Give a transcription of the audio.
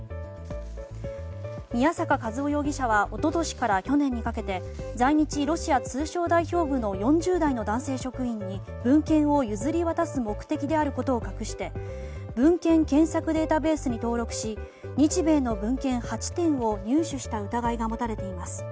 宮坂和雄容疑者は一昨年から去年にかけて在日ロシア通商代表部の４０代の男性職員に文献を譲り渡す目的であることを隠して文献検索データベースに登録し日米の文献８点を入手した疑いが持たれています。